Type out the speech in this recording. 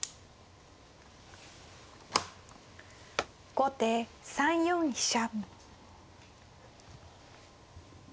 後手３四飛車。